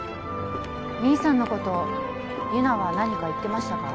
ミンさんのこと優菜は何か言ってましたか？